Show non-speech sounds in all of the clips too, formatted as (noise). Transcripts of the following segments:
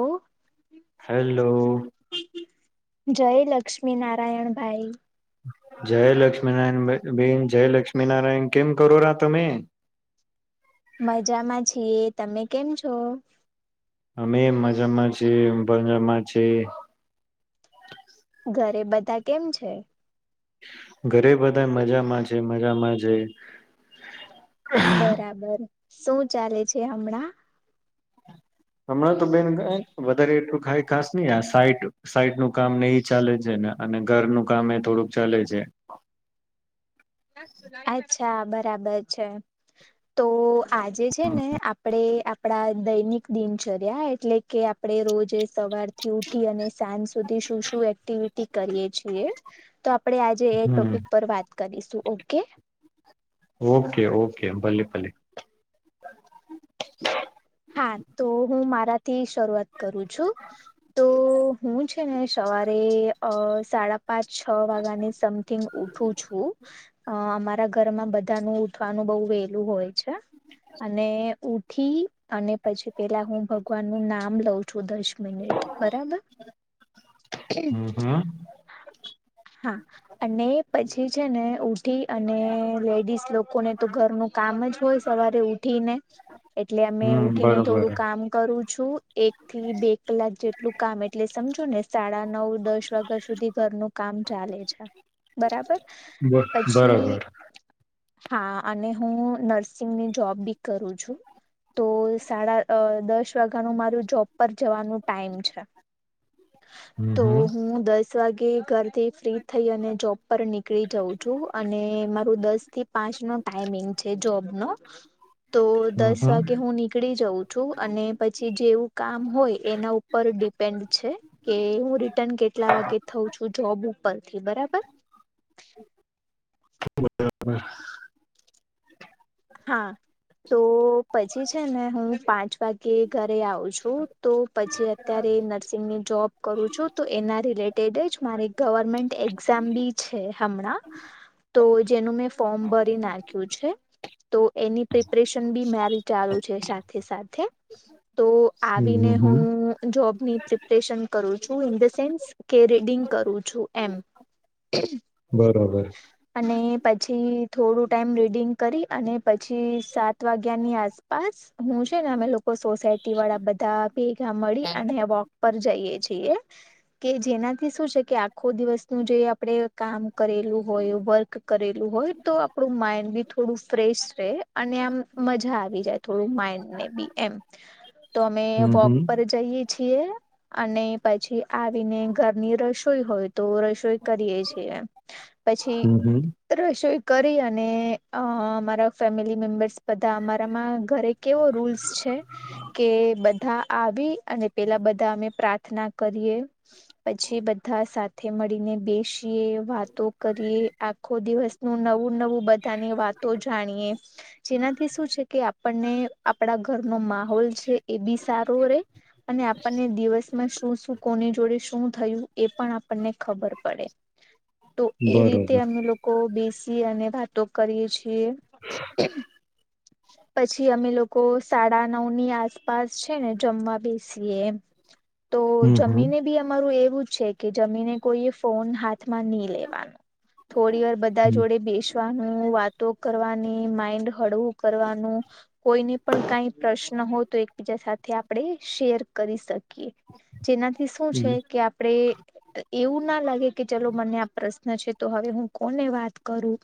ઓ hello. જય લક્ષ્મી નારાયણ ભાઈ. જય લક્ષ્મી નારાયણ બેન જય લક્ષ્મી નારાયણ કેમ કરો રા તમે મજામાં છીએ. તમે કેમ છો? અમે મજામાં છીએ પંજરમાં છે. ઘરે બધા કેમ છે. ઘરે બધા મજામાં છે મજામાં છે. બરાબર. શું ચાલે છે હમણાં હમણાં તો બેન વધારે એટલું ખાઈ ખાસ નહી આ સાઈટ સાઈટ નું કામ ને એ ચાલે છે ને અને ઘરનું કામ એ થોડુંક ચાલે છે. અચ્છા બરાબર છે તો આજે છે ને આપડે આપડા દૈનિક દિનચર્યા એટલે કે આપડે રોજ સવારથી ઉઠી અને સાંજ સુધી શું શું એક્ટિવિટી કરીએ છીએ તો આપડણે આજે એ હમ ટોપિક પર વાત કરીશું. ઓકે ઓકે ઓકે ભલે ભલે હા તો હું મારા તીસ શરૂઆત કરું છું તો હું છે ને સવારે અ સાડા પાંચ છ વાગ્યા ની સમથિંગ ઉઠું છું અમારા ઘરમાં બધા નું ઉઠવાનું બહુ વેલું હોય છે અને ઉઠી અને પછી પેલા હું ભગવાન નું નામ લઉં. છુ દસ મિનિટ બરાબર. હમ હમ. હા અને પછી છે ને ઉઠી અને લેડીસ લોકોને તો ઘરનું કામ જ હોય સવારે ઉઠીને એટલે અમે હમ ઉઠી ને બરોબર થોડું કામ કરું છું એક થી બેકલાજ એલું કામ એટલે સમજો ને સાડા નવ દસ વાગ્યા સુધી ઘરનું કામ ચાલે છે બરાબર પછી બરોબર હા અને હું નર્સિંગની જોબ બી કરું છું. તો સાડા દસ વાગ્યાનું મારું જોબ પર જવાનું ટાઈમ છે. હમ તો હમ હું દસ વાગે ઘરથી ફ્રી થઈ અને જોબ પર નીકળી જઉં છું અને મારું દસ થી પાંચ નો ટાઈમિંગ છે જોબ નો તો હમ દસ હમ વાગે કે હું નીકળી જઉં છું અને પછી જેવું કામ હોય એના ઉપર ડિપેન્ડ છે કે હું રિટર્ન કેટલા વાગે થઉ છું જોબ જોબ પરથી બરાબર બરાબર હા તો પછી છે ને હું પાંચ વાગે કે ઘરે આવ છું તો પછી અત્યારે નર્સિંગની જોબ કરું છું તો એના રિલેટેડ જ મારી ગવર્મેન્ટ એક્ઝામ બી છે હમણાં તો જેનું મેં ફોર્મ ભરી નાખ્યું છે તો એની પ્રિપરેશન બી મારી ચાલુ છે સાથે સાથે તો આવીને હમ હમ હું જોબની પ્રિપરેશન કરું છું ઇન ધ સેન્સ કે રીડિંગ કરું છું એમ બરોબર અને પછી પછી થોડું ટાઈમ રીડિંગ કરી અને પછી સાત વાગ્યાની આસપાસ હું છે ને અમે લોકો સોસાયટી વાળા બધા ભેગા મળી અને વોક ઉપર જઈએ છીએ કે જેનાથી શું છે કે આખો દિવસનું જે આપણેે કામ કરેલું હોય વર્ક કરેલું હોય તો આપડું માઈન્ડ બી થોડું ફ્રેશ રે અને આમ મજા આવી જાય થોડું માઈન્ડ ને બી એમ તો અમે હમ વોક હમ પર જઈએ છીએ અને પછી આવીને ઘરની રસોઈ હોય તો રસોઈ કરીયે છીએ પછી હમ હમ રસોઈ કરી અને અ મારા ફેમિલી મેમ્બર્સ બધા અમારામાં ઘરે કેવો રૂલ્સ છે કે બધા આવી અને પેલા બધા અમે પ્રાર્થના કરીએ પછી બધા સાથે મળીને બેસીએ વાતો કરીએ આખો દિવસનું નવું નવું બધાની વાતો જાણીએ જેનાથી શું છે કે આપણને આપણા ઘરનો માહોલ છે એ બી સારો રે અને આપણને દિવસમાં શું શું કોની જોડે શું થયું એ પણ આપણને ખબર પડે તો એ રીતે બરોબર અમે લોકો ઓ બેસીએ અને વાતો કરીએ છીએ. પછી અમે લોકો સાડા નવ ની આસપાસ છે ને જમવા બેસીએ એમ તો હમ હમ જમીને હમ બી અમારું એવું જ છે કે જમીને કોઈએ ફોન હાથમાં ની લેવાનો થોડી વાર બધા જોડે બેસવાનું વાતો કરવાની માઈન્ડ હળવું કરવાનું કોઈને પણ કઈ પ્રશ્ન હો તો એકબીજા સાથે આપણે શેર કરી શકીએ જેનાથી શું છે હમ કે આપણે એવું ના લાગે કે ચલો મને આ પ્રશ્ન છે તો હવે હું કોને વાત કરું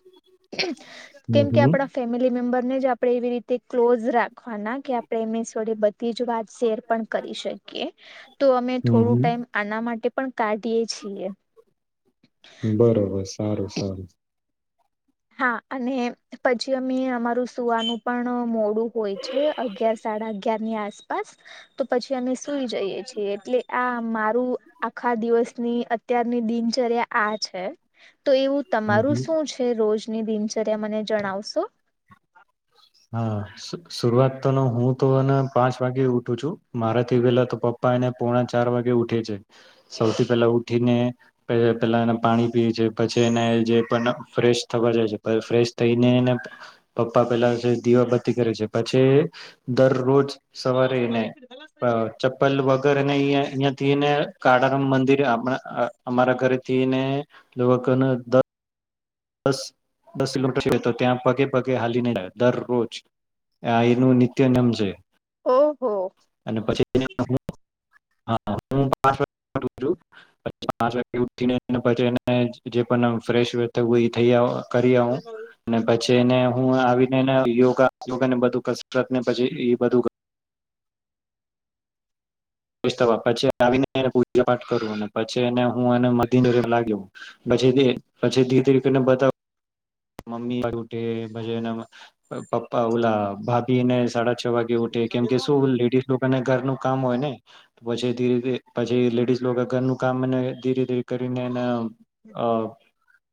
કેમ કે હમ આપણા ફેમિલી મેમ્બરને જ આપણે એવી રીતે ક્લોઝ રાખવાના કે આપણે એમ જોડે બધી જ વાત શેર પણ કરી શકીએ તો અમે થોડું હમ ટાઈમ આના માટે પણ કાઢીએ છીએ બરોબર સારું સારું હા અને પછી અમે અમારું સુવાનું પણ મોડું હોય છે અગયાર સાડા અગયારની આસપાસ તો પછી અમે સુઈ જઈએ છીએ એટલે આ મારું આખા દિવસની અત્યારની દિનચર્યા આ છે તો એવું હમ તમારું હમ શું છે રોજ ની દિનચર્યા મને જણાવશો હા શ શરૂઆત તો હું તો એને પાંચ વાગે ઉઠું છું મારા થી પેલા તો પપ્પા એને પોણા ચાર વાગે ઉઠે છે સૌથી પેલા ઉઠીને પેલા એના પાણી પી છે પછી એને જે પણ ફ્રેશ થવા જાય છે ફ્રેશ થઈને ને પપ્પા પેલા જ. દીવાબતી કરે છે પછી દરરોજ સવારે ને પ ચપ્પલ વગેર (unintelligible) ને કાળારામ મંદિર આમણા અમારા ઘરે થી ને લગન દસ દસ દસ કિલોમીટર છે તો ત્યાં પગે પગે હાલી ન જાય દરરોજ આ એનું નિત્ય નિયમ છે. ઓહો હા હું પાંચ (unintelligible) જે પણ ફેસ તો કોઈ થઈ આવું કરી આવું ને પછી એને હું આવીને એને યોગા યોગા ને બધું કસરત ને પછી એ બધું પછી આવીને પૂજા પાઠ કરું અને પછી એને હું એ મધી લાગ્યો પછી પછી ધી ધીરે કરીને બતાવ મમ્મી પછી પપ્પા ઓલા ભાભી એને સાડા છ વાગે ઉથે કેમકે શું લેડીઝ લોકોને ઘરનું કામ હોય ને પછી ધીરેથી પછી લેડીઝ લોકો ઘરનું કામ ને ધીરે કરીને એનેે અ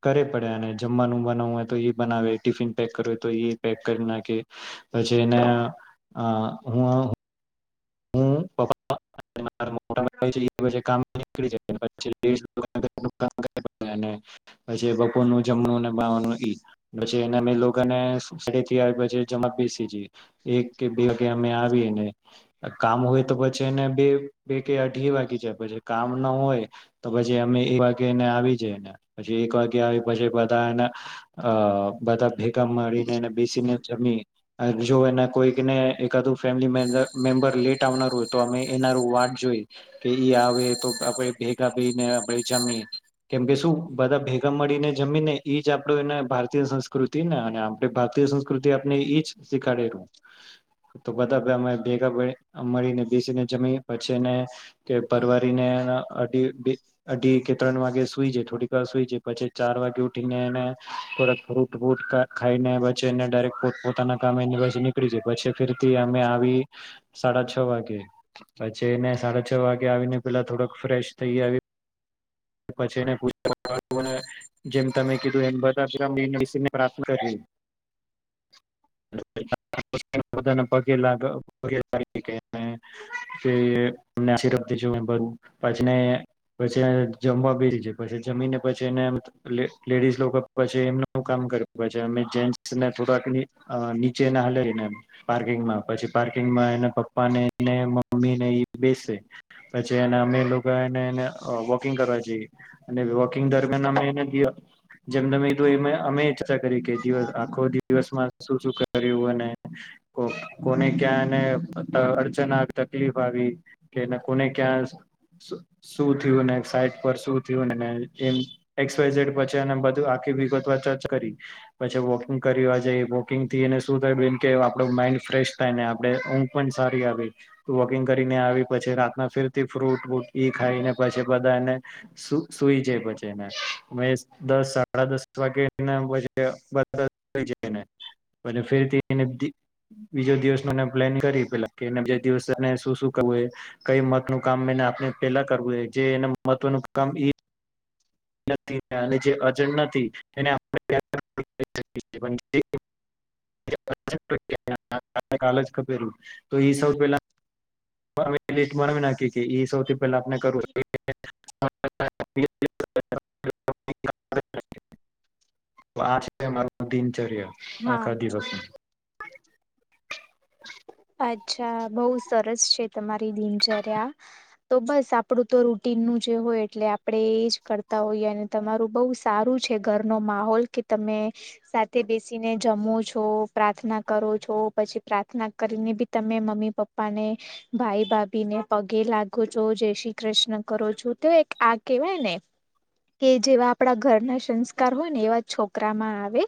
કરે પડે અને જમવાનું બનાવવું હોય તો એ બનાવે ટીફિન પેક કરવ હોય તો એ પેક કરી નાખે પછી એને અ હું હું (unintelligible) મોટા (unintelligible) કામ નીકળી જાય (inaudible) કામ હોય તો પછી એને બે બે કે અઢી વાગી જાય પછી કામ ન હોય તો પછી અમે એક વાગે એને આવી જાયને પછી એક વાગે આવી પછી બધાને અ બધા ભે ગા મળીને અને બેસીને જમી જો એના કોઈકને એકાદું ફેમિલી મે મેમ્બર લેટ આવનાર હોય તો અમે એનાર વાટ જોઈ કે ઈ આવે તો આપણેે ભેગા થને આપણે જમીએ કેમ કે શું બધા ભેગા મળીને જમી ને એજ આપ એને ભારતીય સંસ્કૃતિ ને અને આપણે ભારતીય સંસ્કૃતિ આપને એઈજ શીખાડેલું તો બધા અમે (unintelligible) મળીને બેસીને જમી પછીને તે પરવારીને અઢી બે અઢીકે ત્રણ વાગે સુઈ જાય થોડી વાર સુઈ જાય પછી ચાર વાગે ઉઠીને એને થોડાક ફૂટૂટ ખાઈને પછી એને ડાયરેક્ટ પો પોતાના કમે નીકળી જાય પછી ફેરતી અમે આવી. સાડા છ વાગે પછી એને સાડા છ વાગે આવીને પેલા થોડક ફ્રેશ થઈ આવી. પછી એને પૂજા અને જેમ તમે એ બધા પ્રાર્થ કરી. (inaudible) જમવા બી ર પી જમીને પછી એને લેડીઝ લોકો પછી એમનું કામ કરે પછી અમે જેને થોડાક નીચેને હલાને પાર્કિંગમાં પછી પાર્કિંગમાં એના પપ્પા ને મમ્મી ને એ બેસે પછી એ અમે લોકો એને ંગ કરવા અને વોકિંગ દરમિયાન અમે જેમમે અમે કરી કે દ આખો દિવસમાં શું શું કર્યું અને કોને ક્યાં એને અડચના તકલીફ આવી કે કોને ક્યાં શું થયું. સાઈટ પર શું થયું પછી બધું આી વિગત ચર્ચ કરી પછી વોકિંગ કરી જ વોકિંગથીને શું થાય બે કે આપ માઈન્ડ ફ્રેશ થાય ને આપે ઊંઘ પણ સારી આવે વોકિંગ કરીને આવી પછી રાતના ફેરતી ફ્રૂટ વટ ખાઈને પછી બધા એને સુઈ જાય પછી મે દસ સાડા દસ વાગે પ બઈ જાયને ફેરથી બીજો દિવસ મ પ્લેન કરી પેલા બીજ દિવસને શું શું કરવું કઈ મત નું કામ આપણે પેલા કરવું. જે એના મહત્વનું કામ ઈ જે અજ નથી તેનેેલું તો એ સૌ પહેલા મ મણવ નાયા સૌ પેલા આપને કરું. (inaudible) આચર્ય હા આખા દિવસમાં (inaudible) અચ્છા બઉુ સરસ છે તમારી દિનચર્યા તો બસ આપડું તો રૂટીન નું જે હોય એટલે આપડે એજ કરતા હોઈએ અને તમારું બહુ સારું છે ઘરનો માહોલ કે તમે સાથે બેસીને જમો છો પ્રાર્થના કરો છો પછી પ્રાર્થના કરીને બી તમે મમ્મી પપ્પા ને ભાઈ ભાભી ને પગે લાગો છો જય શ્રી કૃષ્ણ કરો છો તો એક આ કેહેવાય ને કે જેવા આપડા ઘરના સંસ્કાર હોય ને એવા છોકરામાં આવે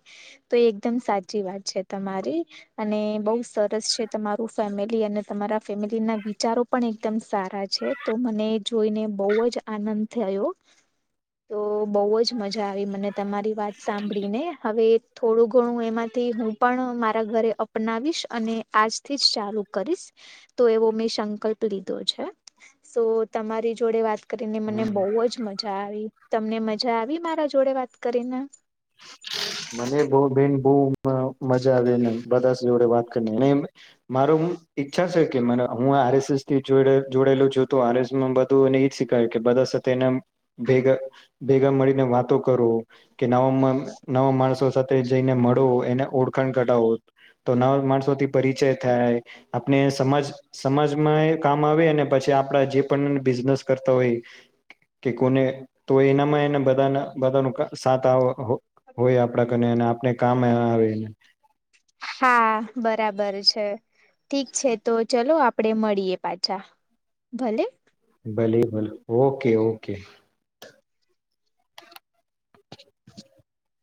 તો એકદમ સાચી વાત છે તમારી અને બહ સરસ છે. તમારું ફેમિલી અને તમારા ફેમિલીના વિચારો પણ એકદમ સારા છે તો મને જોઈને બહુ જ આનંદ થયો તો બહુ જ મજા આવી મને તમારી વાત સાંભળીને હવે થોડું ઘણું એમાંથી હું પણ મારા ઘરે અપનાવીશ અને આજ થી જ ચાલુ કરીશ તો એવો મેં સંકલ્પ લીધો છે સ તમારી જોડે વાત કરીને મને હમ બહુ જ મજા આવી તમને મજા આવી મારા જોડે વાત કરીને મને બો બેન બો મજા આવી નઈ બધા જોડે વાત કરીને મારો ઈચ્છા છે કે મને હું આરએસએસ થી જોડાયેલું છ તો આર એસસમાં બધું એને એજ શીખાય કે બધા સાથે એનેેગા ભેગા મળીને વાતો કરું કે ન નવા માણસો સાથે જઈને મળો એને ઓળખાણ કઢાવો તો નવા માણસોથી પરિચય થાય આપણે સમાજ સમાજમાં એ કામ આવે ને પછી આપડા જે પણ બિઝનેસ કરતા હોય કે કોને તો એનામાં એને બધાના બધાનો સાથ હોય આપણા કને અને ને કામે આવે હા બરાબર છે ઠીક છે તો ચલો આપડે મળીએ પાછા ભલે ભલે ભલે ઓકે ઓકે. (inaudible)